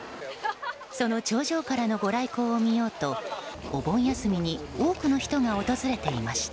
その頂上からのご来光を見ようとお盆休みに多くの人が訪れていました。